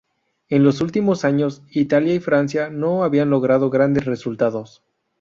En los últimos años, Italia y Francia no habían logrado grandes resultados.